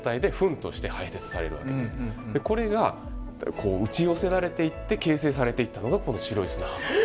これがこう打ち寄せられていって形成されていったのがこの白い砂浜。